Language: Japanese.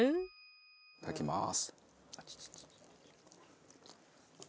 いただきます。